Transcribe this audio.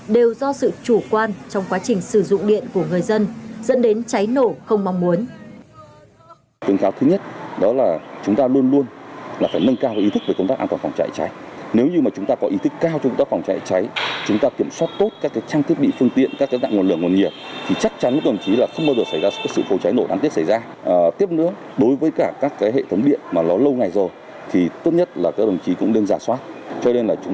đều do sự chủ quan trong quá trình sử dụng điện của người dân dẫn đến cháy nổ không mong muốn